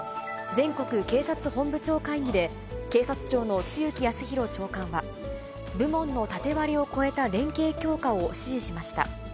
全国警察本部長会議で、警察庁の露木康浩長官は、部門の縦割りを超えた連携強化を指示しました。